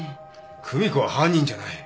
久美子は犯人じゃない。